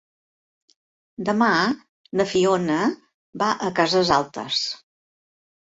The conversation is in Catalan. Demà na Fiona va a Cases Altes.